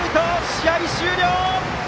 試合終了！